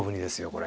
これ。